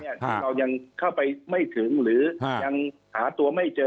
ที่เรายังเข้าไปไม่ถึงหรือยังหาตัวไม่เจอ